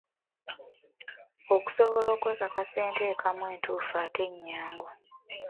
Okusobola okwekakasa enteekamu entuufu ate ennyangu.